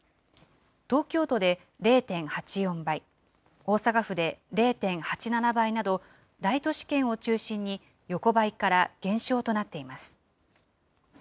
東京都で０．８４倍、大阪府で０．８７倍など、大都市圏を中心に横ばいから減少となっています。